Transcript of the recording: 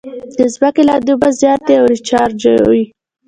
د ځمکې لاندې اوبه زیاتې او ریچارجوي.